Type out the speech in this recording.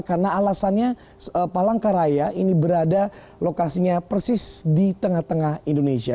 karena alasannya palangkaraya ini berada lokasinya persis di tengah tengah indonesia